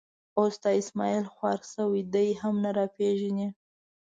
اوس دا اسمعیل خوار شوی، دی هم نه را پېژني.